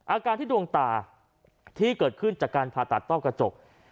อาการที่ดวงตาที่เกิดขึ้นจากการผ่าตัดต้อกระจก